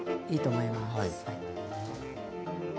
いいと思います。